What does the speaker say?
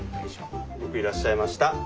よくいらっしゃいました。